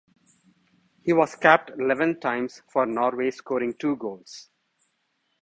He was capped eleven times for Norway scoring two goals.